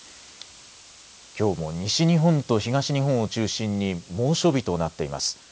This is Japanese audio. きょうも西日本と東日本を中心に猛暑日となっています。